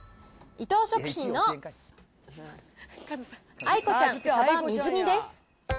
伊藤食品のあいこちゃん鯖水煮です。